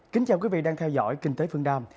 kính chào quý vị đang theo dõi kinh tế phương nam